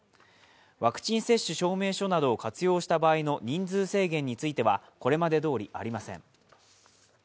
ワクチン接種証明書などを活用した場合の人数制限についてはこれまでどおりありません。